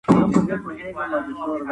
د هنر ټولنپوهنه کلتوري ارزښتونه سپړي.